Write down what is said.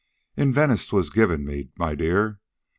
"In Venice 'twas given me, my dear.